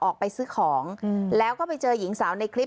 ออกไปซื้อของแล้วก็ไปเจอหญิงสาวในคลิป